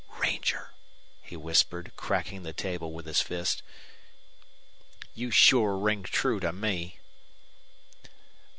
"RANGER!" he whispered, cracking the table with his fist. "You sure rung true to me."